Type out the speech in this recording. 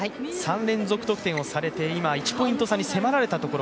３連続得点をされて、今１ポイント差に迫られたところ。